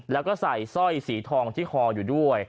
แล้วก็ใส่สร้อยสีทองที่คออยู่ด้วย